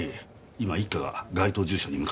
今一課が該当住所に向かってます。